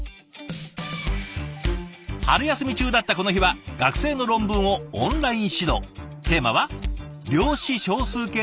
春休み中だったこの日は学生の論文をオンライン指導。